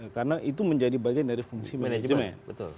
karena itu menjadi bagian dari fungsi manajemen